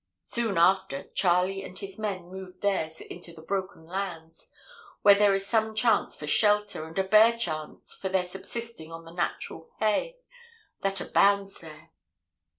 Soon after, Charley and his men moved theirs into the broken lands, where there is some chance for shelter and a bare chance for their subsisting on the natural hay that abounds there.